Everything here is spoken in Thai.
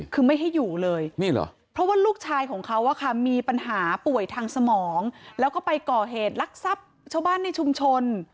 คือไม่ให้อยู่เลยนี่เหรอเพราะว่าลูกชายของเขามีปัญหาป่วยทางสมองแล้วก็ไปก่อเหตุลักษัพชาวบ้านในชุมชน